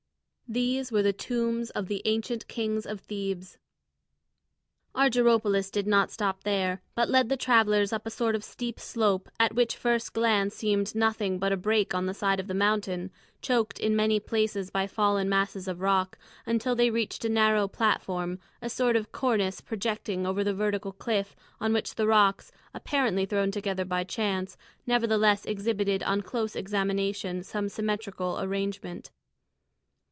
These were the tombs of the ancient kings of Thebes. Argyropoulos did not stop there, but led the travellers up a sort of steep slope, which at first glance seemed nothing but a break on the side of the mountain, choked in many places by fallen masses of rock, until they reached a narrow platform, a sort of cornice projecting over the vertical cliff on which the rocks, apparently thrown together by chance, nevertheless exhibited on close examination some symmetrical arrangement.